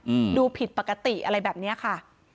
อืมดูผิดปกติอะไรแบบเนี้ยค่ะ